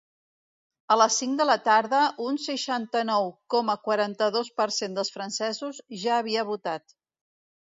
A les cinc de la tarda, un seixanta-nou coma quaranta-dos per cent dels francesos ja havia votat.